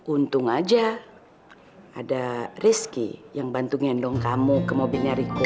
untung aja ada rizky yang bantu ngendong kamu ke mobilnya riku